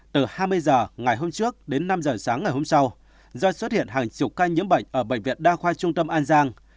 từ hai mươi h ngày hôm trước đến năm h sáng ngày hôm sau do xuất hiện hàng chục ca nhiễm bệnh ở bệnh viện đa khoa trung tâm an giang